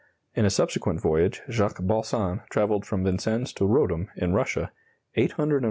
In a subsequent voyage Jacques Balsan travelled from Vincennes to Rodom, in Russia, 843 miles, in 27½ hours.